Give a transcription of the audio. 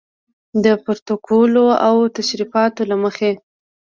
د پروتوکول او تشریفاتو له مخې.